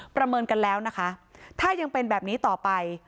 ประเมินกันแล้วนะคะถ้ายังเป็นแบบนี้ต่อไป